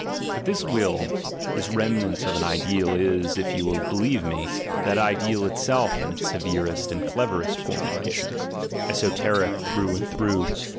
Hut this will, this remnant of an ideal, is, If you will believe me, that ideal itself in its severest and I formulation, esoteric through and through.